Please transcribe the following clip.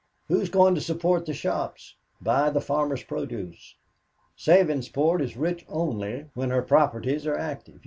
Who is going to support the shops, buy the farmers' produce? Sabinsport is rich only when her properties are active.